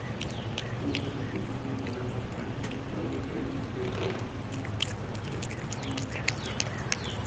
Muchos científicos modernos han criticado el determinismo ambiental clásico como no científico.